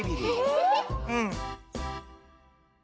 うん。